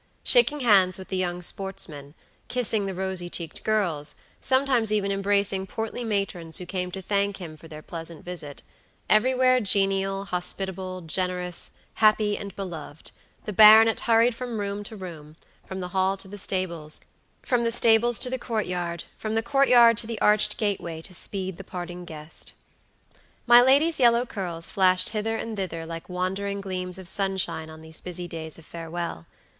Shaking hands with the young sportsmen; kissing the rosy cheeked girls; sometimes even embracing portly matrons who came to thank him for their pleasant visit; everywhere genial, hospitable, generous, happy, and beloved, the baronet hurried from room to room, from the hall to the stables, from the stables to the court yard, from the court yard to the arched gateway to speed the parting guest. My lady's yellow curls flashed hither and thither like wandering gleams of sunshine on these busy days of farewell.